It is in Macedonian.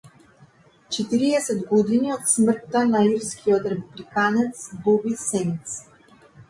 Четириесет години од смртта на ирскиот републиканец Боби Сендс